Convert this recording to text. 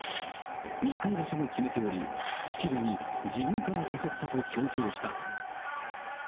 密会場所も決めており、しきりに自分から誘ったと強調した。